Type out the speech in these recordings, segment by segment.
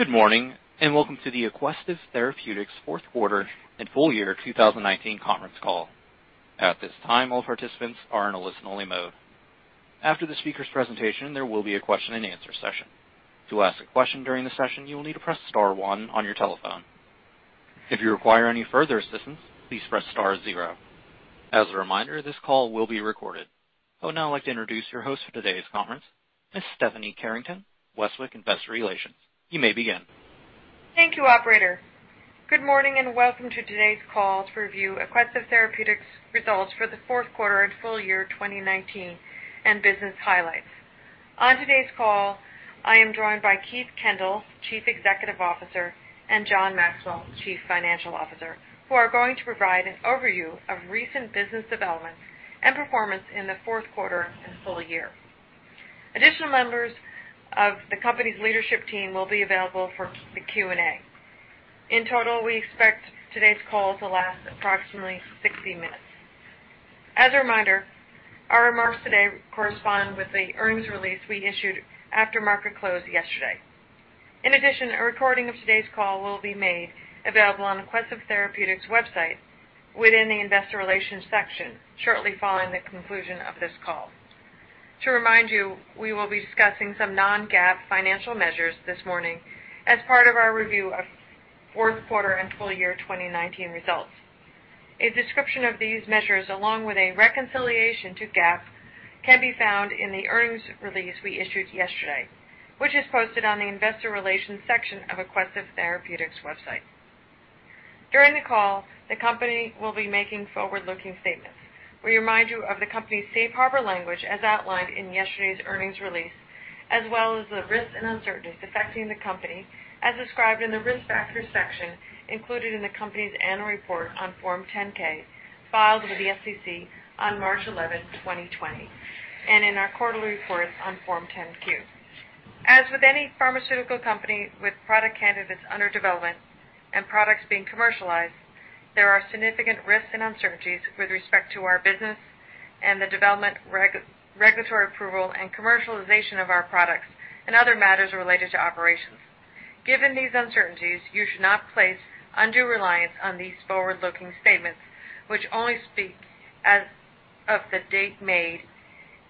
Good morning, and welcome to the Aquestive Therapeutics fourth quarter and full year 2019 conference call. At this time, all participants are in a listen-only mode. After the speaker's presentation, there will be a question and answer session. To ask a question during the session, you will need to press star one on your telephone. If you require any further assistance, please press star zero. As a reminder, this call will be recorded. I would now like to introduce your host for today's conference, Ms. Stephanie Carrington, Westwicke and Investor Relations. You may begin. Thank you, operator. Good morning, welcome to today's call to review Aquestive Therapeutics results for the fourth quarter and full year 2019 and business highlights. On today's call, I am joined by Keith Kendall, Chief Executive Officer, and John Maxwell, Chief Financial Officer, who are going to provide an overview of recent business developments and performance in the fourth quarter and full year. Additional members of the company's leadership team will be available for the Q&A. In total, we expect today's call to last approximately 60 minutes. As a reminder, our remarks today correspond with the earnings release we issued after market close yesterday. In addition, a recording of today's call will be made available on Aquestive Therapeutics' website within the Investor Relations section shortly following the conclusion of this call. To remind you, we will be discussing some non-GAAP financial measures this morning as part of our review of fourth quarter and full year 2019 results. A description of these measures, along with a reconciliation to GAAP, can be found in the earnings release we issued yesterday, which is posted on the Investor Relations section of Aquestive Therapeutics' website. During the call, the company will be making forward-looking statements. We remind you of the company's Safe Harbor language as outlined in yesterday's earnings release, as well as the risks and uncertainties affecting the company as described in the risk factors section included in the company's annual report on Form 10-K filed with the SEC on March 11, 2020, and in our quarterly reports on Form 10-Q. As with any pharmaceutical company with product candidates under development and products being commercialized, there are significant risks and uncertainties with respect to our business and the development, regulatory approval, and commercialization of our products and other matters related to operations. Given these uncertainties, you should not place undue reliance on these forward-looking statements, which only speak as of the date made.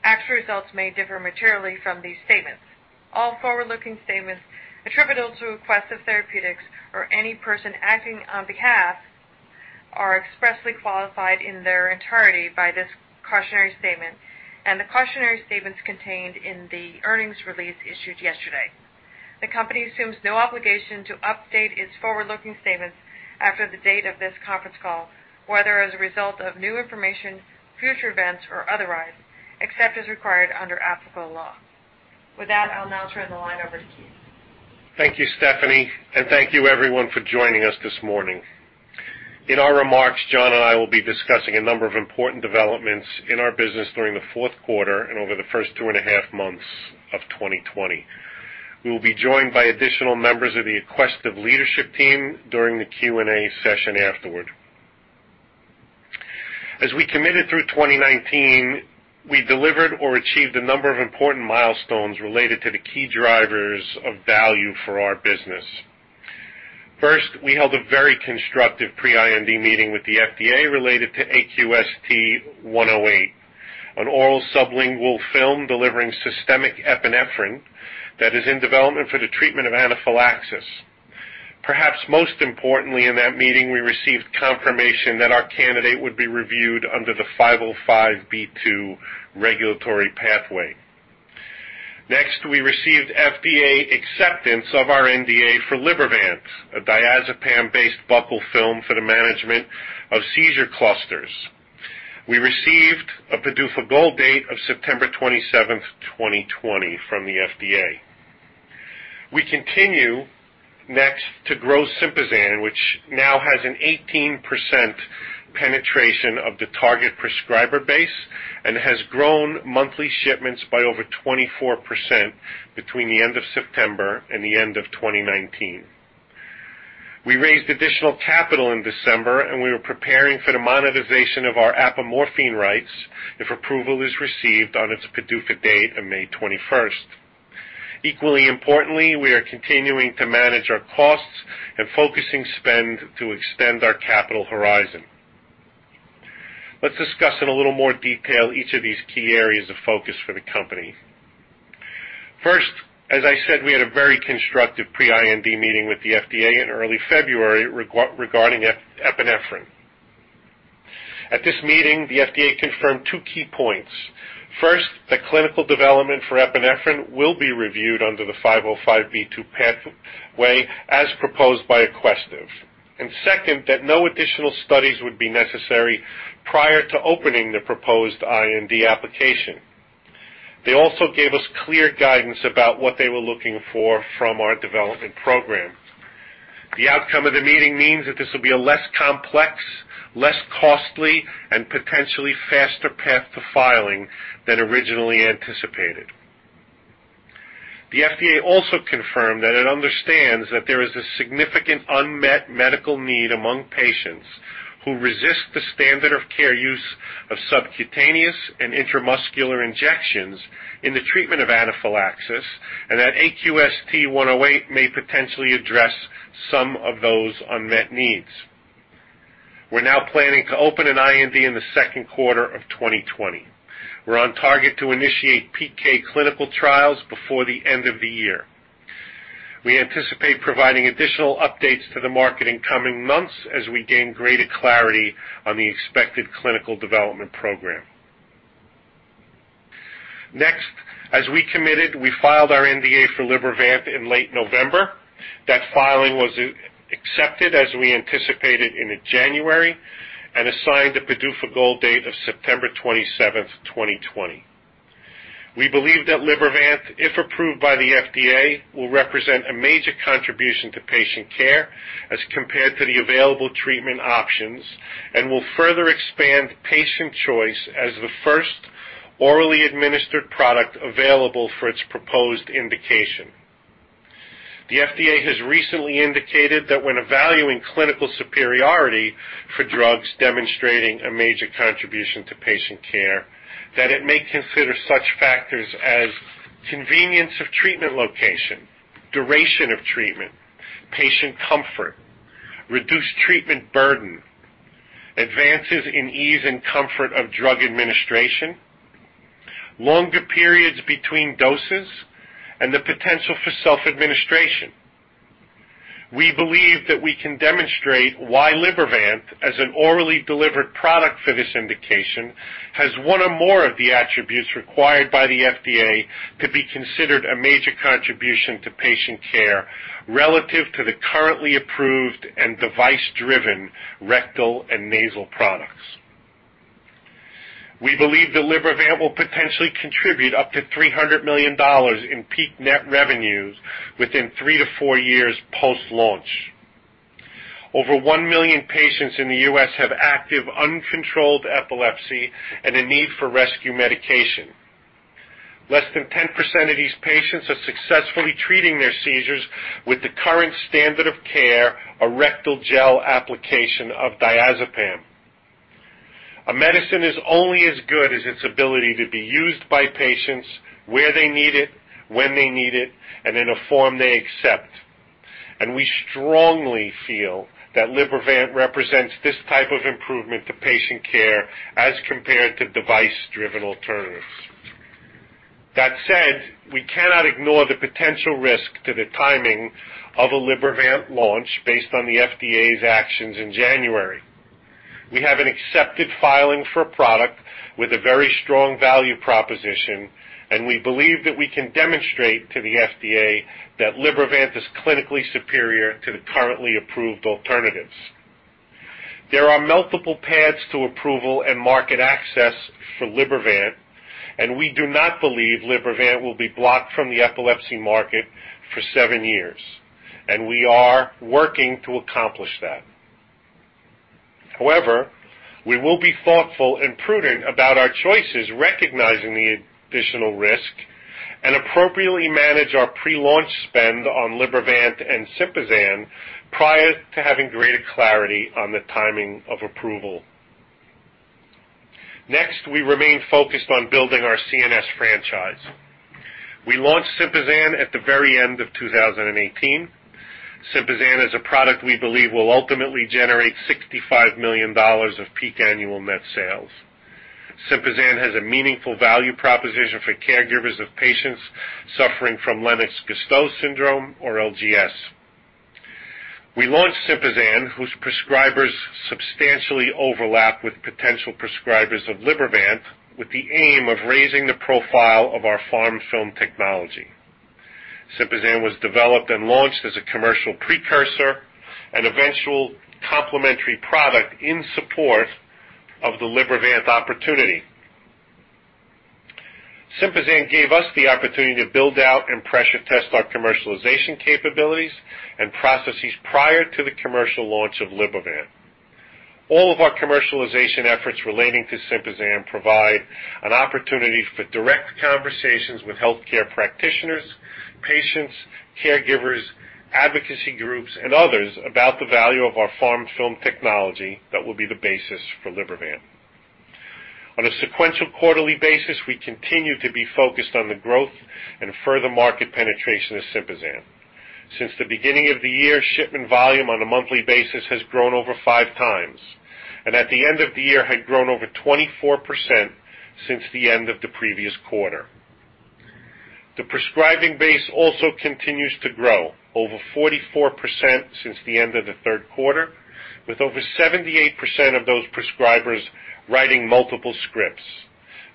Actual results may differ materially from these statements. All forward-looking statements attributable to Aquestive Therapeutics or any person acting on behalf are expressly qualified in their entirety by this cautionary statement and the cautionary statements contained in the earnings release issued yesterday. The company assumes no obligation to update its forward-looking statements after the date of this conference call, whether as a result of new information, future events, or otherwise, except as required under applicable law. With that, I'll now turn the line over to Keith. Thank you, Stephanie, and thank you everyone for joining us this morning. In our remarks, John and I will be discussing a number of important developments in our business during the fourth quarter and over the first two and a half months of 2020. We will be joined by additional members of the Aquestive leadership team during the Q&A session afterward. As we committed through 2019, we delivered or achieved a number of important milestones related to the key drivers of value for our business. First, we held a very constructive pre-IND meeting with the FDA related to AQST-108, an oral sublingual film delivering systemic epinephrine that is in development for the treatment of anaphylaxis. Perhaps most importantly, in that meeting, we received confirmation that our candidate would be reviewed under the 505(b)(2) regulatory pathway. Next, we received FDA acceptance of our NDA for Libervant, a diazepam-based buccal film for the management of seizure clusters. We received a PDUFA goal date of September 27th, 2020 from the FDA. We continue next to grow Sympazan, which now has an 18% penetration of the target prescriber base and has grown monthly shipments by over 24% between the end of September and the end of 2019. We raised additional capital in December, and we are preparing for the monetization of our apomorphine rights if approval is received on its PDUFA date of May 21st. Equally importantly, we are continuing to manage our costs and focusing spend to extend our capital horizon. Let's discuss in a little more detail each of these key areas of focus for the company. First, as I said, we had a very constructive pre-IND meeting with the FDA in early February regarding epinephrine. At this meeting, the FDA confirmed two key points. First, that clinical development for epinephrine will be reviewed under the 505(b)(2) pathway as proposed by Aquestive. Second, that no additional studies would be necessary prior to opening the proposed IND application. They also gave us clear guidance about what they were looking for from our development program. The outcome of the meeting means that this will be a less complex, less costly, and potentially faster path to filing than originally anticipated. The FDA also confirmed that it understands that there is a significant unmet medical need among patients who resist the standard of care use of subcutaneous and intramuscular injections in the treatment of anaphylaxis, and that AQST-108 may potentially address some of those unmet needs. We're now planning to open an IND in the second quarter of 2020. We're on target to initiate PK clinical trials before the end of the year. We anticipate providing additional updates to the market in coming months as we gain greater clarity on the expected clinical development program. As we committed, we filed our NDA for Libervant in late November. That filing was accepted as we anticipated in January and assigned a PDUFA goal date of September 27th, 2020. We believe that Libervant, if approved by the FDA, will represent a major contribution to patient care as compared to the available treatment options and will further expand patient choice as the first orally administered product available for its proposed indication. The FDA has recently indicated that when evaluating clinical superiority for drugs demonstrating a major contribution to patient care, that it may consider such factors as convenience of treatment location, duration of treatment, patient comfort, reduced treatment burden, advances in ease and comfort of drug administration, longer periods between doses, and the potential for self-administration. We believe that we can demonstrate why Libervant, as an orally delivered product for this indication, has one or more of the attributes required by the FDA to be considered a major contribution to patient care relative to the currently approved and device-driven rectal and nasal products. We believe that Libervant will potentially contribute up to $300 million in peak net revenues within three to four years post-launch. Over one million patients in the U.S. have active, uncontrolled epilepsy and a need for rescue medication. Less than 10% of these patients are successfully treating their seizures with the current standard of care, a rectal gel application of diazepam. A medicine is only as good as its ability to be used by patients where they need it, when they need it, and in a form they accept. We strongly feel that Libervant represents this type of improvement to patient care as compared to device-driven alternatives. That said, we cannot ignore the potential risk to the timing of a Libervant launch based on the FDA's actions in January. We have an accepted filing for a product with a very strong value proposition, and we believe that we can demonstrate to the FDA that Libervant is clinically superior to the currently approved alternatives. There are multiple paths to approval and market access for Libervant, and we do not believe Libervant will be blocked from the epilepsy market for seven years, and we are working to accomplish that. However, we will be thoughtful and prudent about our choices, recognizing the additional risk, and appropriately manage our pre-launch spend on Libervant and Sympazan prior to having greater clarity on the timing of approval. Next, we remain focused on building our CNS franchise. We launched Sympazan at the very end of 2018. Sympazan is a product we believe will ultimately generate $65 million of peak annual net sales. Sympazan has a meaningful value proposition for caregivers of patients suffering from Lennox-Gastaut syndrome, or LGS. We launched Sympazan, whose prescribers substantially overlap with potential prescribers of Libervant, with the aim of raising the profile of our PharmFilm technology. Sympazan was developed and launched as a commercial precursor and eventual complementary product in support of the Libervant opportunity. Sympazan gave us the opportunity to build out and pressure test our commercialization capabilities and processes prior to the commercial launch of Libervant. All of our commercialization efforts relating to Sympazan provide an opportunity for direct conversations with healthcare practitioners, patients, caregivers, advocacy groups, and others about the value of our PharmFilm technology that will be the basis for Libervant. On a sequential quarterly basis, we continue to be focused on the growth and further market penetration of Sympazan. Since the beginning of the year, shipment volume on a monthly basis has grown over five times, and at the end of the year had grown over 24% since the end of the previous quarter. The prescribing base also continues to grow, over 44% since the end of the third quarter, with over 78% of those prescribers writing multiple scripts.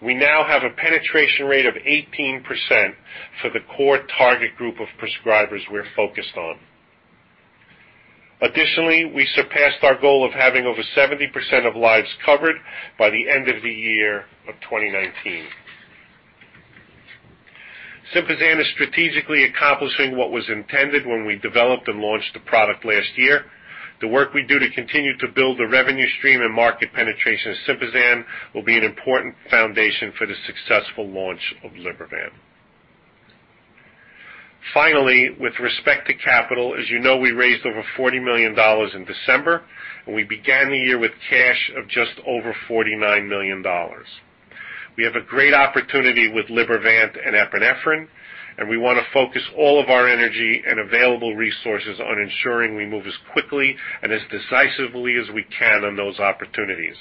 We now have a penetration rate of 18% for the core target group of prescribers we're focused on. Additionally, we surpassed our goal of having over 70% of lives covered by the end of the year of 2019. Sympazan is strategically accomplishing what was intended when we developed and launched the product last year. The work we do to continue to build the revenue stream and market penetration of Sympazan will be an important foundation for the successful launch of Libervant. Finally, with respect to capital, as you know, we raised over $40 million in December, and we began the year with cash of just over $49 million. We have a great opportunity with Libervant and epinephrine, and we want to focus all of our energy and available resources on ensuring we move as quickly and as decisively as we can on those opportunities.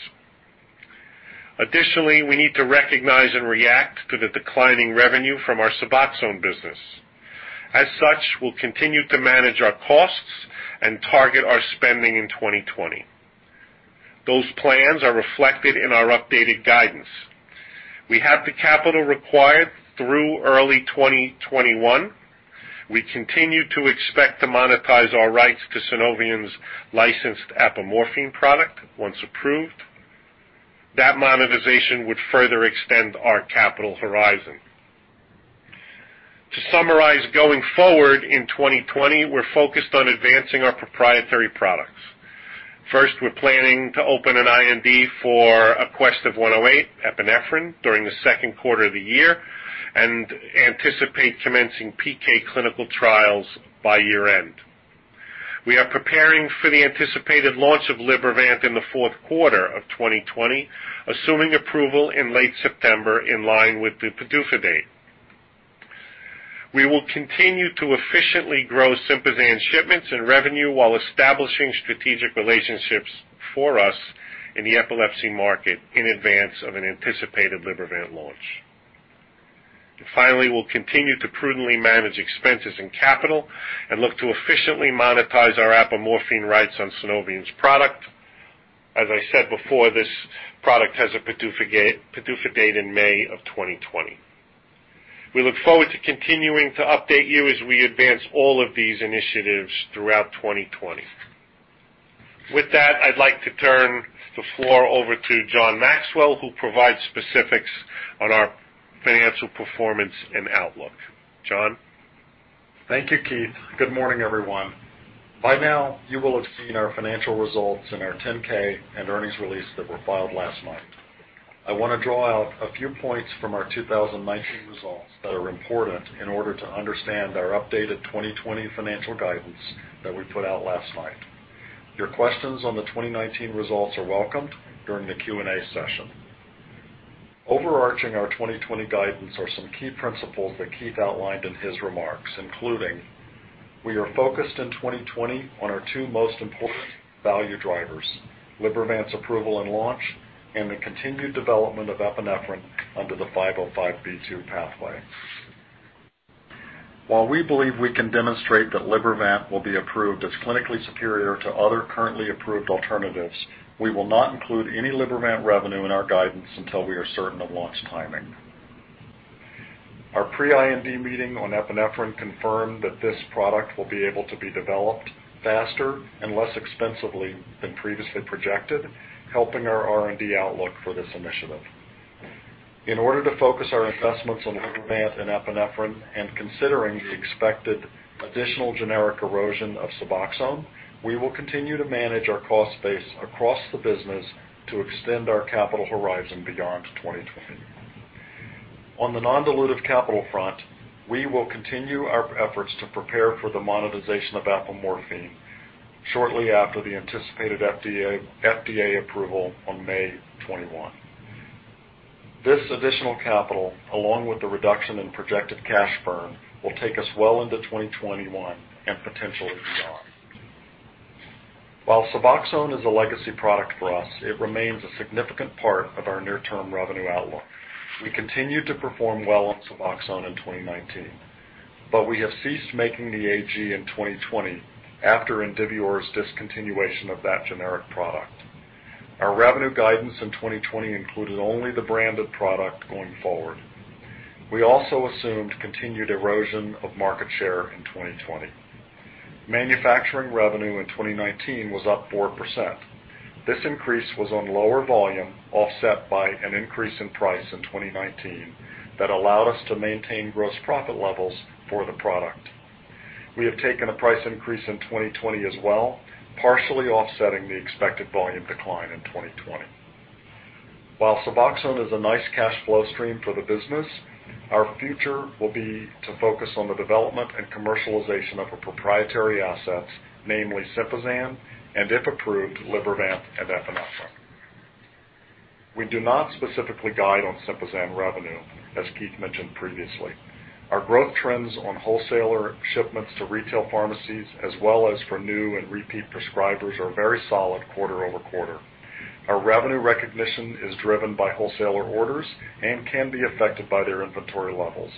Additionally, we need to recognize and react to the declining revenue from our Suboxone business. As such, we'll continue to manage our costs and target our spending in 2020. Those plans are reflected in our updated guidance. We have the capital required through early 2021. We continue to expect to monetize our rights to Sunovion's licensed apomorphine product once approved. That monetization would further extend our capital horizon. To summarize, going forward in 2020, we're focused on advancing our proprietary products. First, we're planning to open an IND for AQST-108, epinephrine, during the second quarter of the year and anticipate commencing PK clinical trials by year-end. We are preparing for the anticipated launch of Libervant in the fourth quarter of 2020, assuming approval in late September, in line with the PDUFA date. We will continue to efficiently grow Sympazan shipments and revenue while establishing strategic relationships for us in the epilepsy market in advance of an anticipated Libervant launch. Finally, we'll continue to prudently manage expenses and capital and look to efficiently monetize our apomorphine rights on Sunovion's product. As I said before, this product has a PDUFA date in May of 2020. We look forward to continuing to update you as we advance all of these initiatives throughout 2020. With that, I'd like to turn the floor over to John Maxwell, who'll provide specifics on our financial performance and outlook. John? Thank you, Keith. Good morning, everyone. By now, you will have seen our financial results and our 10-K and earnings release that were filed last night. I want to draw out a few points from our 2019 results that are important in order to understand our updated 2020 financial guidance that we put out last night. Your questions on the 2019 results are welcome during the Q&A session. Overarching our 2020 guidance are some key principles that Keith outlined in his remarks, including we are focused in 2020 on our two most important value drivers, Libervant's approval and launch, and the continued development of epinephrine under the 505(b)(2) pathway. While we believe we can demonstrate that Libervant will be approved as clinically superior to other currently approved alternatives, we will not include any Libervant revenue in our guidance until we are certain of launch timing. Our pre-IND meeting on epinephrine confirmed that this product will be able to be developed faster and less expensively than previously projected, helping our R&D outlook for this initiative. In order to focus our investments on Libervant and epinephrine and considering the expected additional generic erosion of Suboxone, we will continue to manage our cost base across the business to extend our capital horizon beyond 2020. On the non-dilutive capital front, we will continue our efforts to prepare for the monetization of apomorphine shortly after the anticipated FDA approval on May 21. This additional capital, along with the reduction in projected cash burn, will take us well into 2021 and potentially beyond. While Suboxone is a legacy product for us, it remains a significant part of our near-term revenue outlook. We continued to perform well on Suboxone in 2019. We have ceased making the AG in 2020 after Indivior's discontinuation of that generic product. Our revenue guidance in 2020 included only the branded product going forward. We also assumed continued erosion of market share in 2020. Manufacturing revenue in 2019 was up 4%. This increase was on lower volume, offset by an increase in price in 2019 that allowed us to maintain gross profit levels for the product. We have taken a price increase in 2020 as well, partially offsetting the expected volume decline in 2020. While Suboxone is a nice cash flow stream for the business, our future will be to focus on the development and commercialization of our proprietary assets, namely Sympazan and, if approved, Libervant and epinephrine. We do not specifically guide on Sympazan revenue, as Keith mentioned previously. Our growth trends on wholesaler shipments to retail pharmacies as well as for new and repeat prescribers are very solid quarter-over-quarter. Our revenue recognition is driven by wholesaler orders and can be affected by their inventory levels.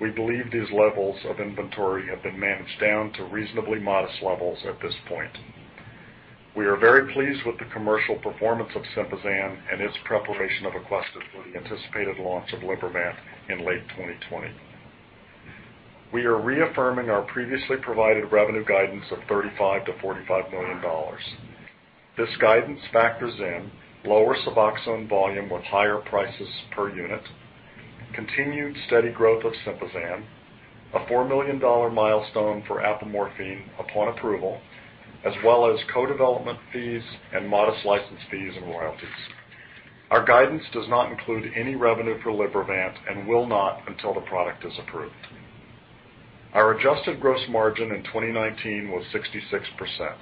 We believe these levels of inventory have been managed down to reasonably modest levels at this point. We are very pleased with the commercial performance of Sympazan and its preparation of Aquestive for the anticipated launch of Libervant in late 2020. We are reaffirming our previously provided revenue guidance of $35 million-$45 million. This guidance factors in lower Suboxone volume with higher prices per unit, continued steady growth of Sympazan, a $4 million milestone for apomorphine upon approval, as well as co-development fees and modest license fees and royalties. Our guidance does not include any revenue for Libervant and will not until the product is approved. Our adjusted gross margin in 2019 was 66%.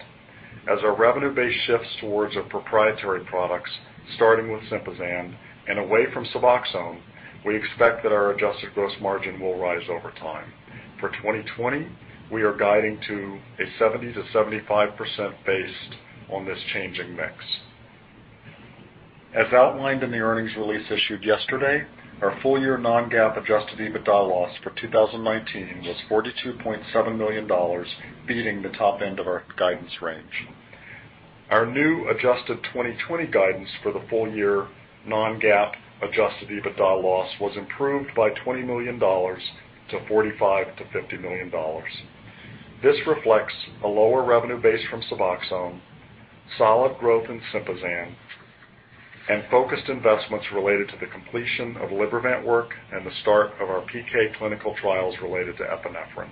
As our revenue base shifts towards our proprietary products, starting with Sympazan, and away from Suboxone, we expect that our adjusted gross margin will rise over time. For 2020, we are guiding to a 70%-75% based on this changing mix. As outlined in the earnings release issued yesterday, our full year non-GAAP adjusted EBITDA loss for 2019 was $42.7 million, beating the top end of our guidance range. Our new adjusted 2020 guidance for the full year non-GAAP adjusted EBITDA loss was improved by $20 million to $45 million-$50 million. This reflects a lower revenue base from Suboxone, solid growth in Sympazan, and focused investments related to the completion of Libervant work and the start of our PK clinical trials related to epinephrine.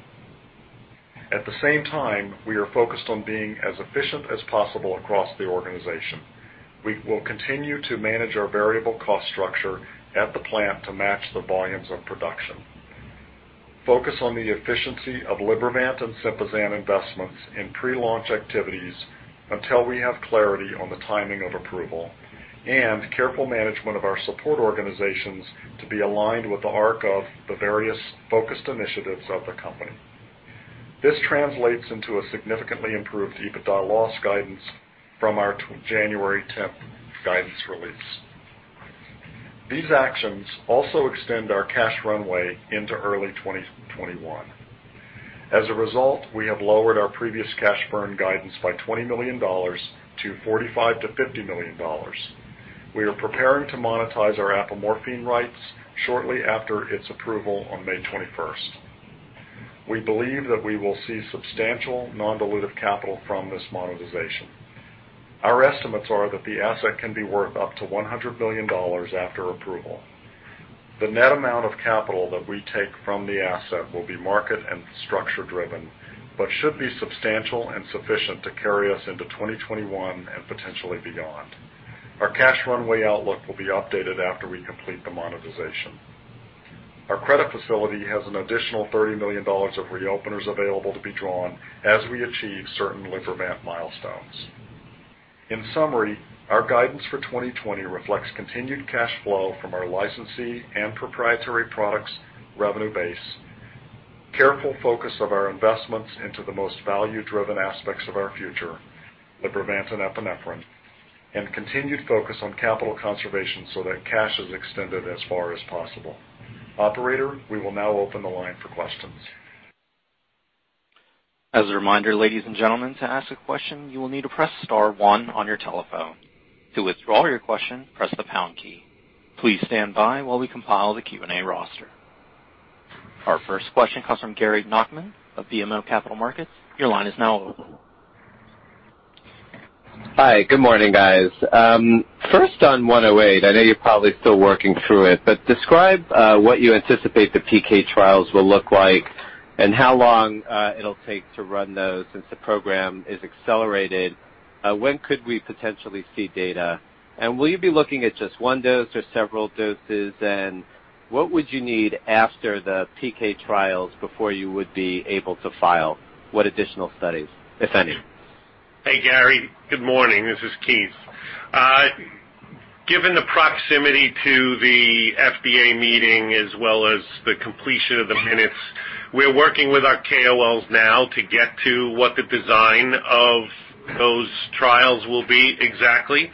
At the same time, we are focused on being as efficient as possible across the organization. We will continue to manage our variable cost structure at the plant to match the volumes of production, focus on the efficiency of Libervant and Sympazan investments in pre-launch activities until we have clarity on the timing of approval, and careful management of our support organizations to be aligned with the arc of the various focused initiatives of the company. This translates into a significantly improved EBITDA loss guidance from our January 10 guidance release. These actions also extend our cash runway into early 2021. We have lowered our previous cash burn guidance by $20 million to $45 million-$50 million. We are preparing to monetize our apomorphine rights shortly after its approval on May 21st. We believe that we will see substantial non-dilutive capital from this monetization. Our estimates are that the asset can be worth up to $100 million after approval. The net amount of capital that we take from the asset will be market and structure driven, but should be substantial and sufficient to carry us into 2021 and potentially beyond. Our cash runway outlook will be updated after we complete the monetization. Our credit facility has an additional $30 million of reopeners available to be drawn as we achieve certain Libervant milestones. In summary, our guidance for 2020 reflects continued cash flow from our licensee and proprietary products revenue base, careful focus of our investments into the most value-driven aspects of our future, Libervant and epinephrine, and continued focus on capital conservation so that cash is extended as far as possible. Operator, we will now open the line for questions. As a reminder, ladies and gentlemen, to ask a question, you will need to press star one on your telephone. To withdraw your question, press the pound key. Please stand by while we compile the Q&A roster. Our first question comes from Gary Nachman of BMO Capital Markets. Your line is now open. Hi. Good morning, guys. First on 108, I know you're probably still working through it, but describe what you anticipate the PK trials will look like and how long it'll take to run those since the program is accelerated. When could we potentially see data? Will you be looking at just one dose or several doses? What would you need after the PK trials before you would be able to file? What additional studies, if any? Hey, Gary. Good morning. This is Keith. Given the proximity to the FDA meeting as well as the completion of the minutes, we're working with our KOLs now to get to what the design of those trials will be exactly.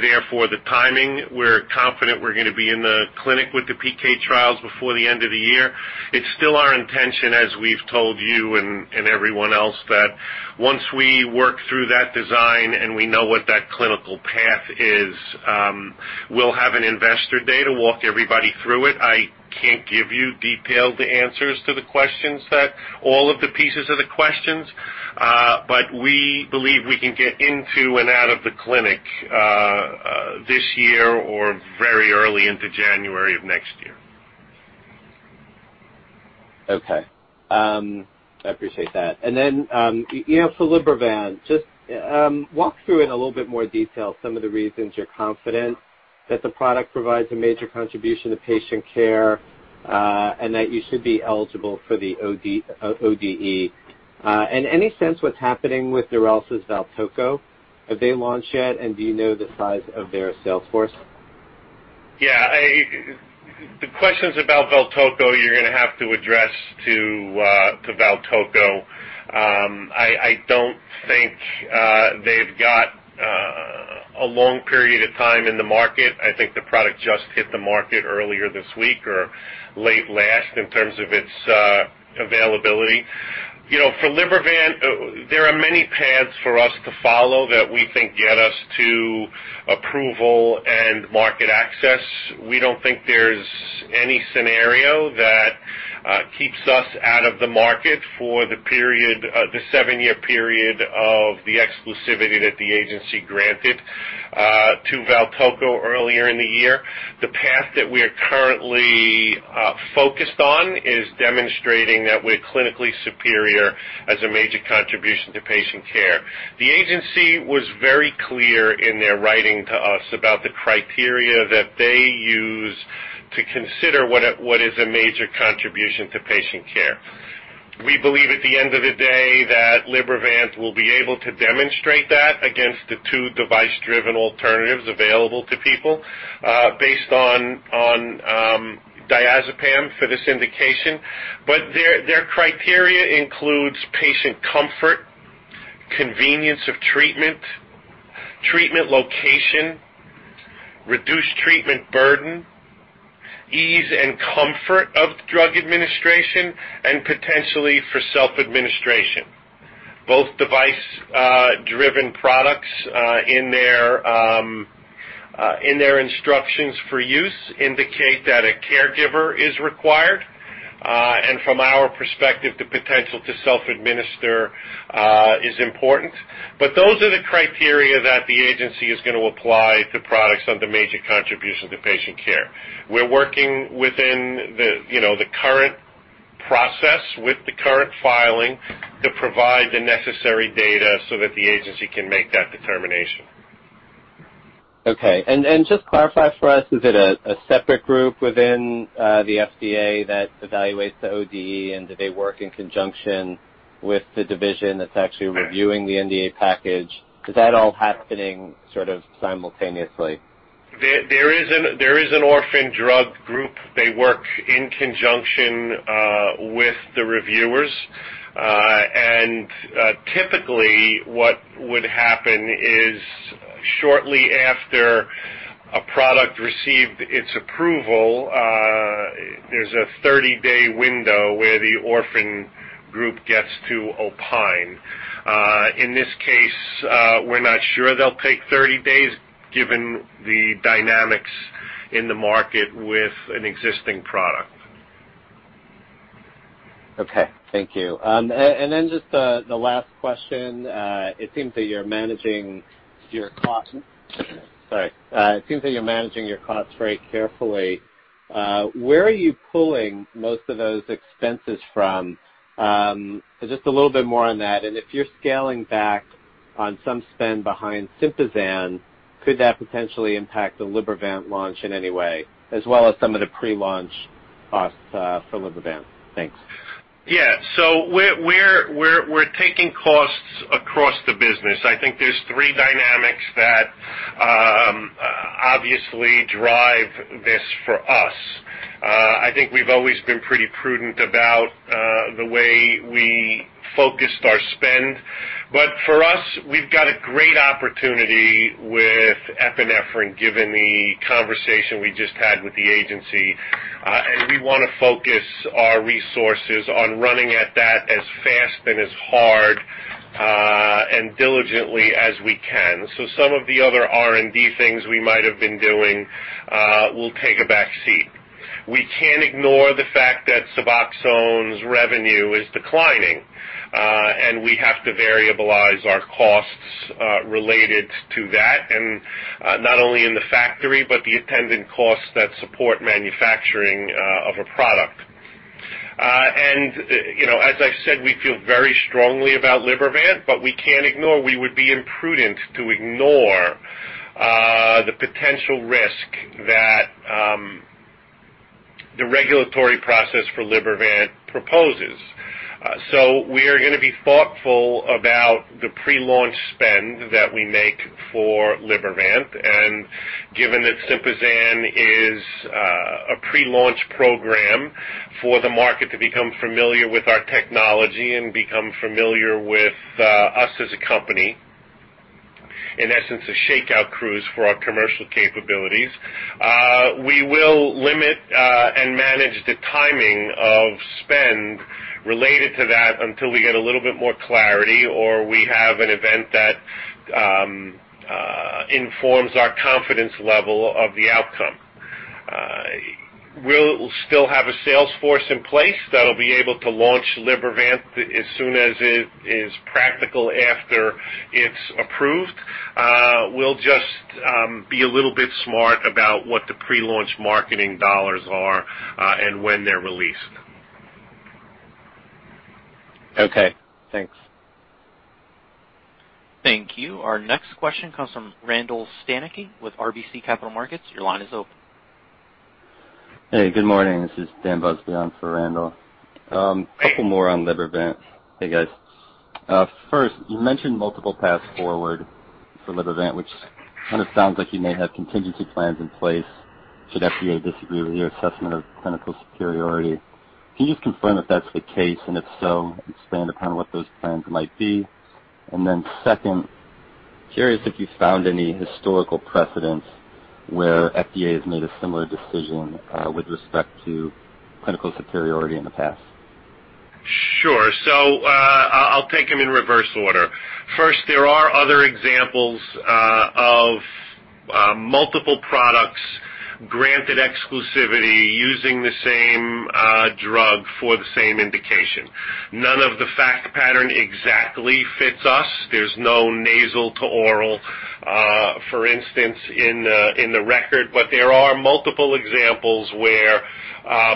Therefore, the timing, we're confident we're going to be in the clinic with the PK trials before the end of the year. It's still our intention, as we've told you and everyone else, that once we work through that design and we know what that clinical path is, we'll have an investor day to walk everybody through it. I can't give you detailed answers to all of the pieces of the questions. We believe we can get into and out of the clinic this year or very early into January of next year. Okay. I appreciate that. For Libervant, just walk through in a little bit more detail some of the reasons you're confident that the product provides a major contribution to patient care, and that you should be eligible for the ODE. Any sense what's happening with Neurelis VALTOCO? Have they launched yet, and do you know the size of their sales force? Yeah. The questions about VALTOCO, you're going to have to address to VALTOCO. I don't think they've got a long period of time in the market. I think the product just hit the market earlier this week or late last in terms of its availability. For Libervant, there are many paths for us to follow that we think get us to approval and market access. We don't think there's any scenario that keeps us out of the market for the seven-year period of the exclusivity that the agency granted to VALTOCO earlier in the year. The path that we are currently- We focused on is demonstrating that we're clinically superior as a major contribution to patient care. The agency was very clear in their writing to us about the criteria that they use to consider what is a major contribution to patient care. We believe at the end of the day that Libervant will be able to demonstrate that against the two device-driven alternatives available to people, based on diazepam for this indication. Their criteria includes patient comfort, convenience of treatment location, reduced treatment burden, ease and comfort of drug administration, and potentially for self-administration. Both device-driven products in their instructions for use indicate that a caregiver is required. From our perspective, the potential to self-administer is important. Those are the criteria that the agency is going to apply to products under major contribution to patient care. We're working within the current process with the current filing to provide the necessary data so that the Agency can make that determination. Okay. Just clarify for us, is it a separate group within the FDA that evaluates the ODE, and do they work in conjunction with the division that's actually reviewing the NDA package? Is that all happening sort of simultaneously? There is an orphan drug group. They work in conjunction with the reviewers. Typically, what would happen is shortly after a product received its approval, there's a 30-day window where the orphan group gets to opine. In this case, we're not sure they'll take 30 days given the dynamics in the market with an existing product. Okay. Thank you. Just the last question. It seems that you're managing your costs very carefully. Where are you pulling most of those expenses from? Just a little bit more on that. If you're scaling back on some spend behind Sympazan, could that potentially impact the Libervant launch in any way, as well as some of the pre-launch costs for Libervant? Thanks. Yeah. We're taking costs across the business. I think there's three dynamics that obviously drive this for us. I think we've always been pretty prudent about the way we focused our spend. For us, we've got a great opportunity with epinephrine, given the conversation we just had with the agency. We want to focus our resources on running at that as fast and as hard and diligently as we can. Some of the other R&D things we might have been doing will take a back seat. We can't ignore the fact that Suboxone's revenue is declining, and we have to variabilize our costs related to that, and not only in the factory, but the attendant costs that support manufacturing of a product. As I said, we feel very strongly about Libervant, but we can't ignore, we would be imprudent to ignore, the potential risk that the regulatory process for Libervant proposes. We are going to be thoughtful about the pre-launch spend that we make for Libervant. Given that Sympazan is a pre-launch program for the market to become familiar with our technology and become familiar with us as a company, in essence, a shakeout cruise for our commercial capabilities, we will limit and manage the timing of spend related to that until we get a little bit more clarity, or we have an event that informs our confidence level of the outcome. We'll still have a sales force in place that'll be able to launch Libervant as soon as it is practical after it's approved. We'll just be a little bit smart about what the pre-launch marketing dollars are and when they're released. Okay, thanks. Thank you. Our next question comes from Randall Stanicky with RBC Capital Markets. Your line is open. Hey, good morning. This is Daniel Busby on for Randall. Couple more on Libervant. Hey, guys. First, you mentioned multiple paths forward for Libervant, which kind of sounds like you may have contingency plans in place should FDA disagree with your assessment of clinical superiority. Can you just confirm if that's the case? If so, expand upon what those plans might be. Second, curious if you found any historical precedents where FDA has made a similar decision with respect to clinical superiority in the past. Sure. I'll take them in reverse order. First, there are other examples of multiple products granted exclusivity using the same drug for the same indication. None of the fact pattern exactly fits us. There's no nasal to oral, for instance, in the record, but there are multiple examples where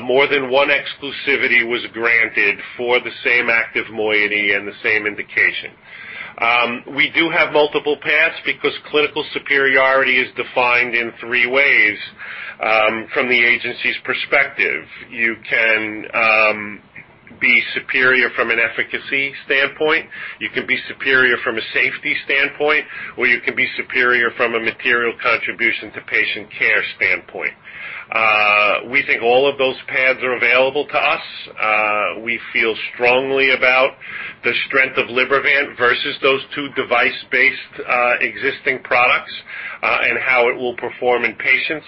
more than one exclusivity was granted for the same active moiety and the same indication. We do have multiple paths because clinical superiority is defined in three ways from the agency's perspective. You can be superior from an efficacy standpoint, you can be superior from a safety standpoint, or you can be superior from a material contribution to patient care standpoint. We think all of those paths are available to us. We feel strongly about the strength of Libervant versus those two device-based existing products and how it will perform in patients.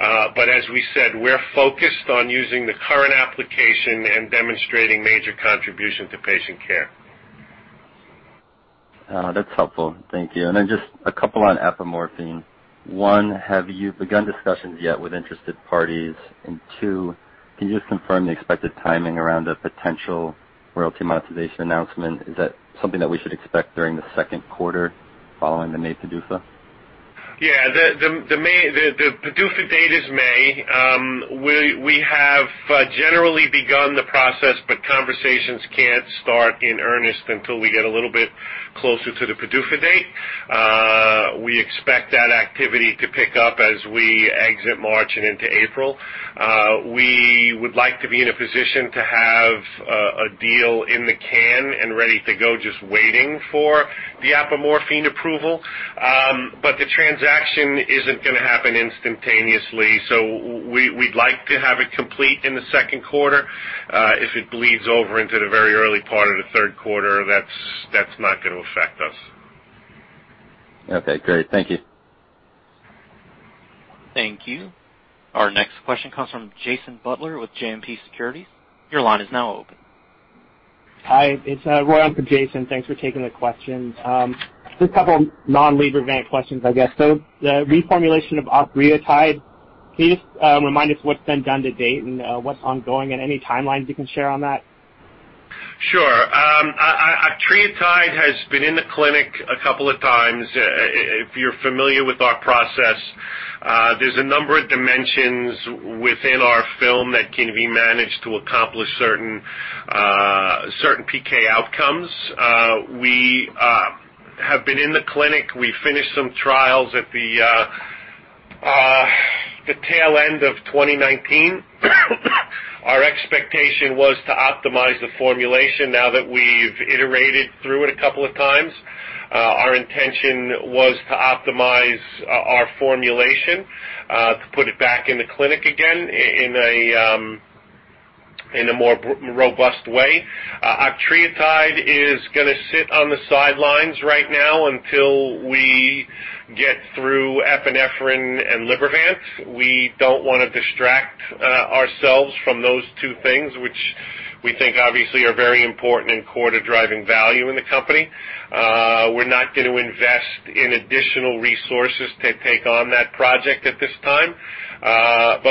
As we said, we're focused on using the current application and demonstrating major contribution to patient care. That's helpful. Thank you. Just a couple on apomorphine. One, have you begun discussions yet with interested parties? Two, can you just confirm the expected timing around a potential royalty monetization announcement? Is that something that we should expect during the second quarter following the May PDUFA? The PDUFA date is May. We have generally begun the process, but conversations can't start in earnest until we get a little bit closer to the PDUFA date. We expect that activity to pick up as we exit March and into April. We would like to be in a position to have a deal in the can and ready to go, just waiting for the apomorphine approval. The transaction isn't going to happen instantaneously, so we'd like to have it complete in the second quarter. If it bleeds over into the very early part of the third quarter, that's not going to affect us. Okay, great. Thank you. Thank you. Our next question comes from Jason Butler with JMP Securities. Your line is now open. Hi, it's Roy Buchanan for Jason. Thanks for taking the questions. Just a couple non-Libervant questions, I guess. The reformulation of octreotide, can you just remind us what's been done to date and what's ongoing and any timelines you can share on that? Sure, octreotide has been in the clinic a couple of times. If you're familiar with our process, there's a number of dimensions within our film that can be managed to accomplish certain PK outcomes. We have been in the clinic. We finished some trials at the tail end of 2019. Our expectation was to optimize the formulation now that we've iterated through it a couple of times. Our intention was to optimize our formulation to put it back in the clinic again in a more robust way. octreotide is going to sit on the sidelines right now until we get through epinephrine and Libervant. We don't want to distract ourselves from those two things, which we think obviously are very important and core to driving value in the company. We're not going to invest in additional resources to take on that project at this time.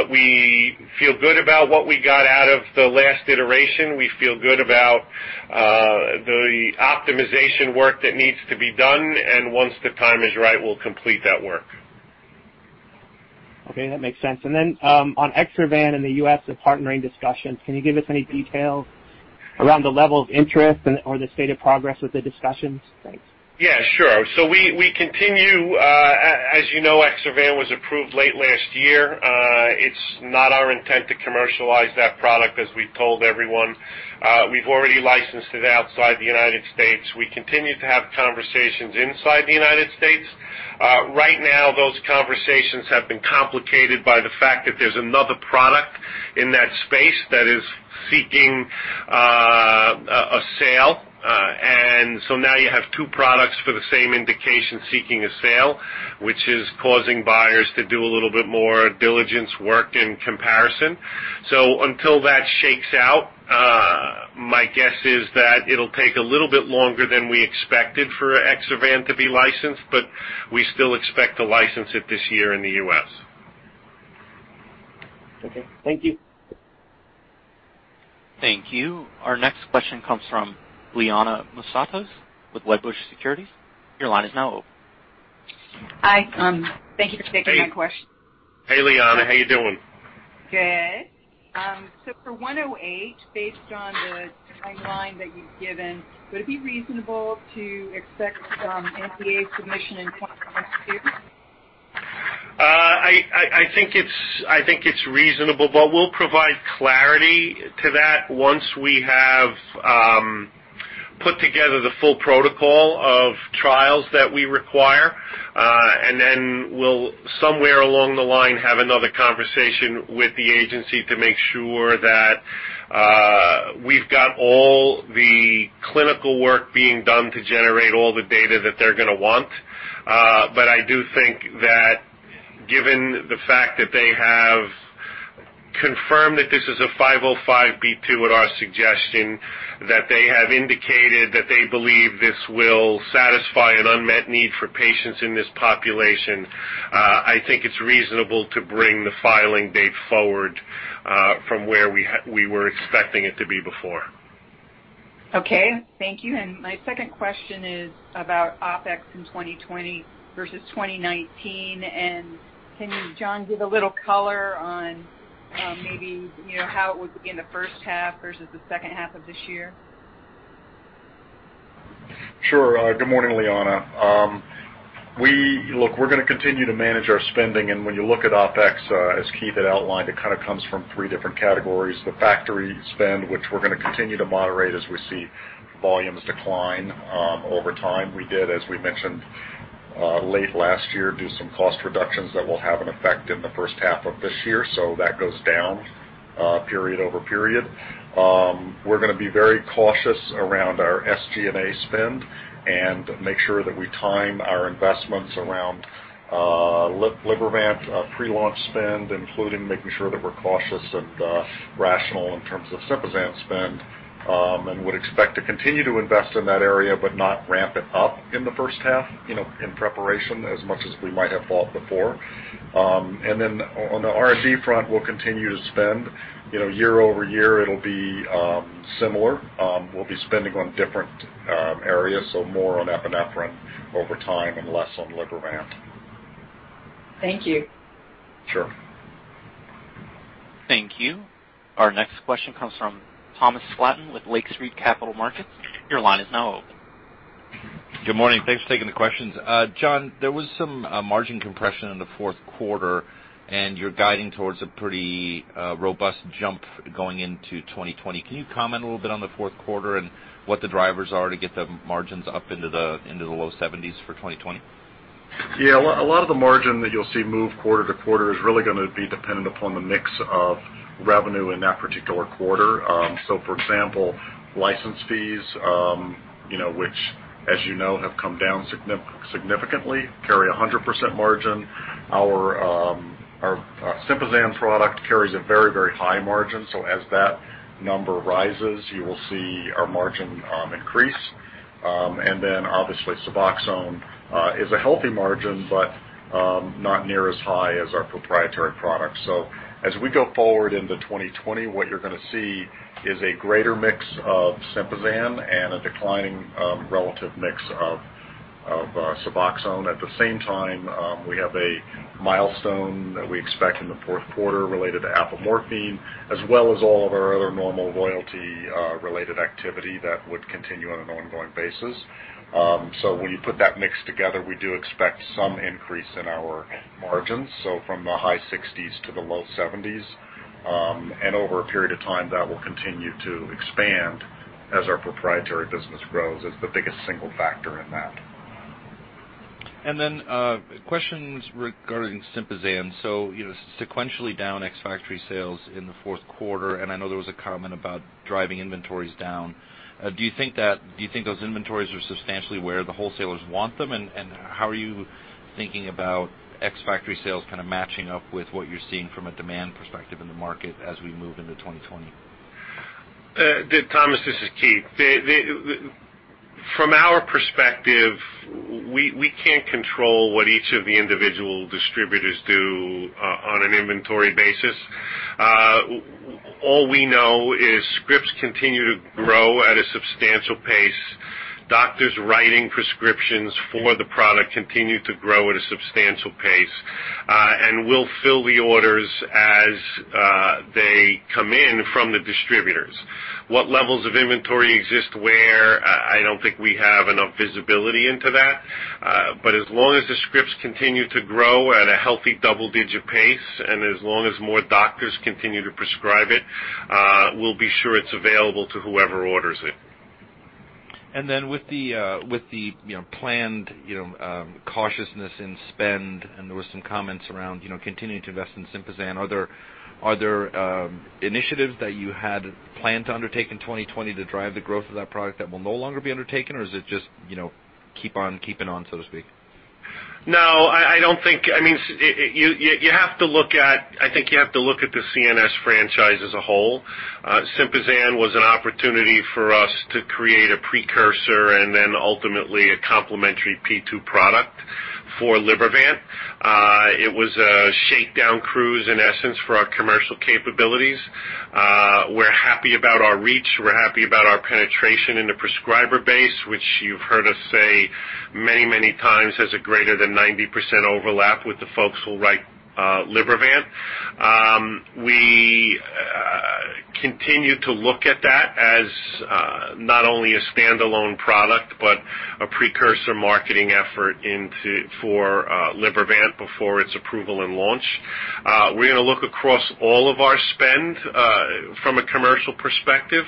We feel good about what we got out of the last iteration. We feel good about the optimization work that needs to be done, and once the time is right, we'll complete that work. Okay, that makes sense. On EXSERVAN in the U.S. and partnering discussions, can you give us any details around the level of interest or the state of progress with the discussions? Thanks. Yeah, sure. We continue. As you know, EXSERVAN was approved late last year. It's not our intent to commercialize that product as we've told everyone. We've already licensed it outside the U.S. We continue to have conversations inside the U.S. Right now, those conversations have been complicated by the fact that there's another product in that space that is seeking a sale. Now you have two products for the same indication seeking a sale, which is causing buyers to do a little bit more diligence work and comparison. Until that shakes out, my guess is that it'll take a little bit longer than we expected for EXSERVAN to be licensed, but we still expect to license it this year in the U.S. Okay. Thank you. Thank you. Our next question comes from Liana Moussatos with Wedbush Securities. Your line is now open. Hi. Thank you for taking my question. Hey, Liana. How you doing? Good. For 108, based on the timeline that you've given, would it be reasonable to expect an NDA submission in 2022? I think it's reasonable, we'll provide clarity to that once we have put together the full protocol of trials that we require, and then we'll somewhere along the line, have another conversation with the agency to make sure that we've got all the clinical work being done to generate all the data that they're going to want. I do think that given the fact that they have confirmed that this is a 505(b)(2) at our suggestion, that they have indicated that they believe this will satisfy an unmet need for patients in this population, I think it's reasonable to bring the filing date forward from where we were expecting it to be before. Okay, thank you. My second question is about OpEx in 2020 versus 2019. Can you, John, give a little color on maybe how it would be in the first half versus the second half of this year? Sure. Good morning, Liana. Look, we're going to continue to manage our spending, and when you look at OpEx, as Keith had outlined, it comes from three different categories. The factory spend, which we're going to continue to moderate as we see volumes decline over time. We did, as we mentioned late last year, do some cost reductions that will have an effect in the first half of this year. That goes down period-over-period. We're going to be very cautious around our SG&A spend and make sure that we time our investments around Libervant pre-launch spend, including making sure that we're cautious and rational in terms of Sympazan spend, and would expect to continue to invest in that area but not ramp it up in the first half, in preparation as much as we might have thought before. Then on the R&D front, we'll continue to spend. Year-over-year, it'll be similar. We'll be spending on different areas, so more on epinephrine over time and less on Libervant. Thank you. Sure. Thank you. Our next question comes from Thomas Flaten with Lake Street Capital Markets. Your line is now open. Good morning. Thanks for taking the questions. John, there was some margin compression in the fourth quarter, and you're guiding towards a pretty robust jump going into 2020. Can you comment a little bit on the fourth quarter and what the drivers are to get the margins up into the low 70s percent for 2020? A lot of the margin that you'll see move quarter to quarter is really going to be dependent upon the mix of revenue in that particular quarter. For example, license fees, which as you know, have come down significantly, carry 100% margin. Our Sympazan product carries a very high margin. Then obviously Suboxone is a healthy margin, but not near as high as our proprietary products. As we go forward into 2020, what you're going to see is a greater mix of Sympazan and a declining relative mix of Suboxone. At the same time, we have a milestone that we expect in the fourth quarter related to apomorphine, as well as all of our other normal loyalty related activity that would continue on an ongoing basis. When you put that mix together, we do expect some increase in our margins. From the high 60s to the low 70s, and over a period of time, that will continue to expand as our proprietary business grows as the biggest single factor in that. Questions regarding Sympazan. Sequentially down ex-factory sales in the fourth quarter, and I know there was a comment about driving inventories down. Do you think those inventories are substantially where the wholesalers want them? How are you thinking about ex-factory sales matching up with what you're seeing from a demand perspective in the market as we move into 2020? Thomas, this is Keith. From our perspective, we can't control what each of the individual distributors do on an inventory basis. All we know is scripts continue to grow at a substantial pace. Doctors writing prescriptions for the product continue to grow at a substantial pace. We'll fill the orders as they come in from the distributors. What levels of inventory exist where, I don't think we have enough visibility into that. As long as the scripts continue to grow at a healthy double-digit pace, and as long as more doctors continue to prescribe it, we'll be sure it's available to whoever orders it. With the planned cautiousness in spend, and there were some comments around continuing to invest in Sympazan, are there initiatives that you had planned to undertake in 2020 to drive the growth of that product that will no longer be undertaken? Or is it just keep on keeping on, so to speak? I think you have to look at the CNS franchise as a whole. Sympazan was an opportunity for us to create a precursor and then ultimately a complementary P2 product for Libervant. It was a shakedown cruise, in essence, for our commercial capabilities. We're happy about our reach. We're happy about our penetration in the prescriber base, which you've heard us say many times, has a greater than 90% overlap with the folks who write Libervant. We continue to look at that as not only a standalone product, but a precursor marketing effort for Libervant before its approval and launch. We're going to look across all of our spend from a commercial perspective,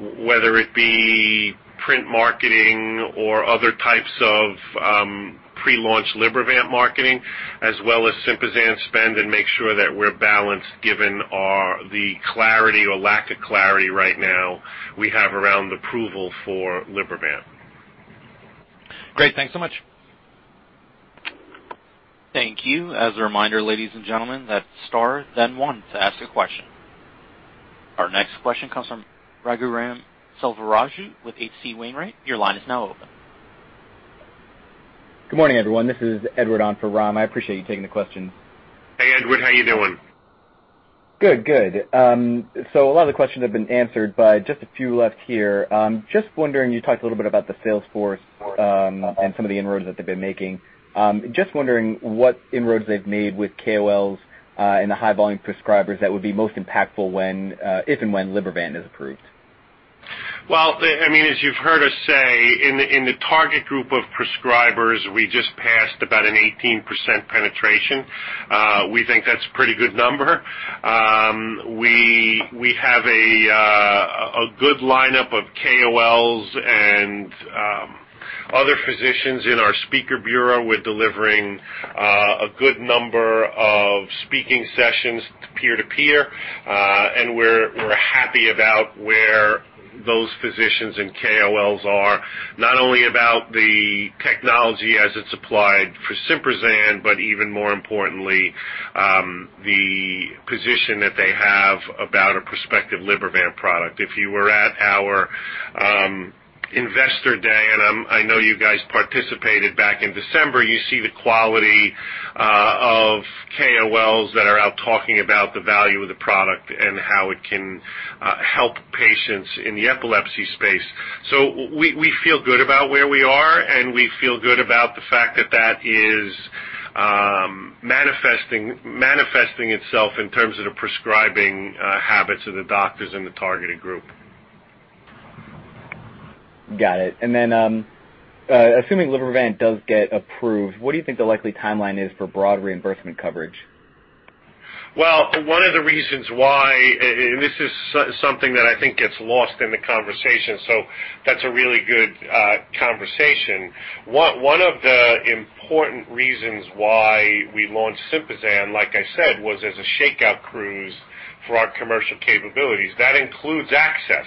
whether it be print marketing or other types of pre-launch Libervant marketing, as well as Sympazan spend, and make sure that we're balanced given the clarity or lack of clarity right now we have around approval for Libervant. Great. Thanks so much. Thank you. As a reminder, ladies and gentlemen, that's star then one to ask a question. Our next question comes from Raghuram Selvaraju with H.C. Wainwright. Your line is now open. Good morning, everyone. This is Edward on for Rom. I appreciate you taking the questions. Hey, Edward. How you doing? Good. A lot of the questions have been answered, but just a few left here. You talked a little bit about the sales force, and some of the inroads that they've been making. Just wondering what inroads they've made with KOLs, and the high-volume prescribers that would be most impactful if and when Libervant is approved. Well, as you've heard us say, in the target group of prescribers, we just passed about an 18% penetration. We think that's a pretty good number. We have a good lineup of KOLs and other physicians in our speaker bureau. We're delivering a good number of speaking sessions peer to peer. We're happy about where those physicians and KOLs are, not only about the technology as it's applied for Sympazan, but even more importantly, the position that they have about a prospective Libervant product. If you were at our investor day, and I know you guys participated back in December, you see the quality of KOLs that are out talking about the value of the product and how it can help patients in the epilepsy space. We feel good about where we are, and we feel good about the fact that that is manifesting itself in terms of the prescribing habits of the doctors in the targeted group. Got it. Then, assuming Libervant does get approved, what do you think the likely timeline is for broad reimbursement coverage? One of the reasons why, and this is something that I think gets lost in the conversation, so that's a really good conversation. One of the important reasons why we launched Sympazan, like I said, was as a shakedown cruise for our commercial capabilities. That includes access.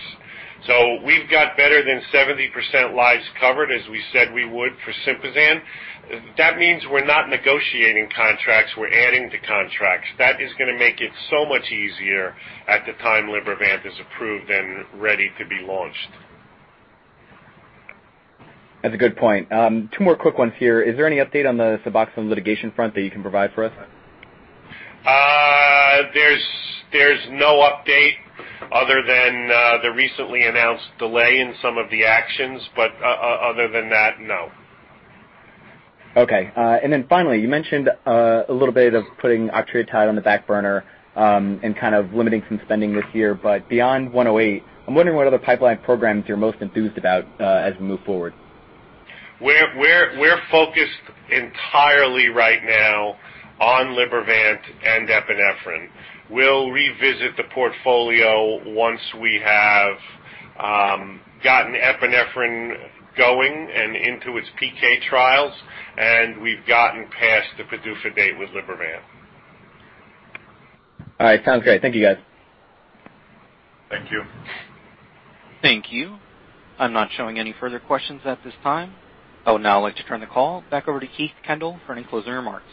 We've got better than 70% lives covered, as we said we would for Sympazan. That means we're not negotiating contracts, we're adding to contracts. That is going to make it so much easier at the time Libervant is approved and ready to be launched. That's a good point. Two more quick ones here. Is there any update on the Suboxone litigation front that you can provide for us? There's no update other than the recently announced delay in some of the actions. Other than that, no. Okay. Finally, you mentioned a little bit of putting octreotide on the back burner, and kind of limiting some spending this year. Beyond 108, I'm wondering what other pipeline programs you're most enthused about as we move forward. We're focused entirely right now on Libervant and epinephrine. We'll revisit the portfolio once we have gotten epinephrine going and into its PK trials, and we've gotten past the PDUFA date with Libervant. All right. Sounds great. Thank you, guys. Thank you. Thank you. I'm not showing any further questions at this time. I would now like to turn the call back over to Keith Kendall for any closing remarks.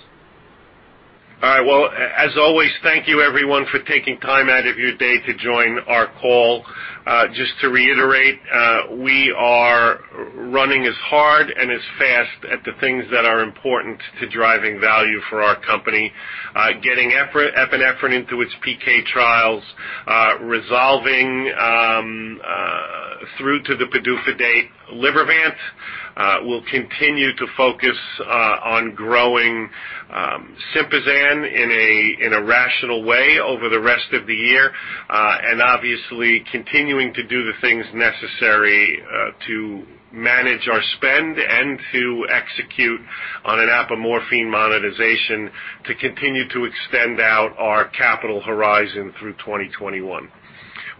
All right. Well, as always, thank you everyone for taking time out of your day to join our call. Just to reiterate, we are running as hard and as fast at the things that are important to driving value for our company, getting epinephrine into its PK trials, resolving through to the PDUFA date Libervant. We'll continue to focus on growing Sympazan in a rational way over the rest of the year. Obviously continuing to do the things necessary to manage our spend and to execute on an apomorphine monetization to continue to extend out our capital horizon through 2021.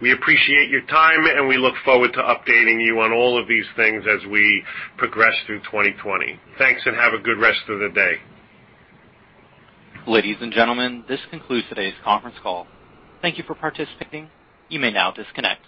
We appreciate your time, and we look forward to updating you on all of these things as we progress through 2020. Thanks, and have a good rest of the day. Ladies and gentlemen, this concludes today's conference call. Thank you for participating. You may now disconnect.